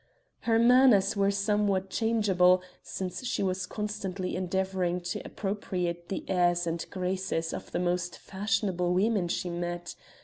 Her manners were somewhat changeable, since she was constantly endeavoring to appropriate the airs and graces of the most fashionable women she met.